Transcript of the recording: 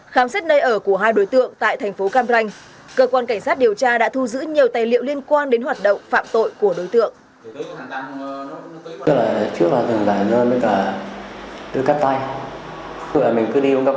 khám xét nơi ở của hai đối tượng tại thành phố cam ranh cơ quan cảnh sát điều tra đã thu giữ nhiều tài liệu liên quan đến hoạt động phạm tội của đối tượng